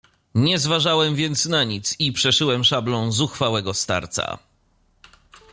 "Nie zważałem więc na nic i przeszyłem szablą zuchwałego starca."